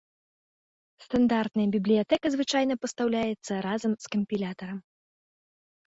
Стандартная бібліятэка звычайна пастаўляецца разам з кампілятарам.